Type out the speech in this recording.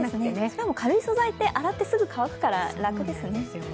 しかも軽い素材って洗ってすぐ乾くから楽ですね。